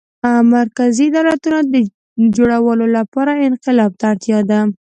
مرکزي دولت د جوړولو لپاره انقلاب ته اړتیا ده.